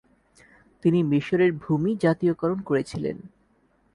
তিনি মিশরের ভূমি জাতীয়করণ করেছিলেন।